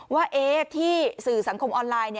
ว่าที่สื่อสังคมออนไลน์